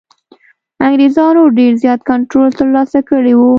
انګرېزانو ډېر زیات کنټرول ترلاسه کړی وو.